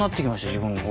自分の方。